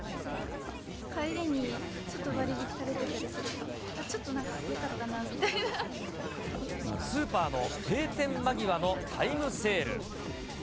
帰りにちょっと割引されてたりすると、あっ、ちょっとよかっスーパーの閉店間際のタイムセール。